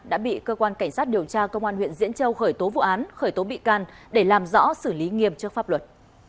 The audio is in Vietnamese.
đã bị cơ quan cảnh sát điều tra công an huyện diễn châu khởi tố vụ án khởi tố bị can để làm rõ xử lý nghiêm trước pháp luật